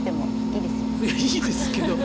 いいですけど。